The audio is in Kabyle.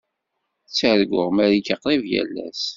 Ttarguɣ Marika qrib yal ass.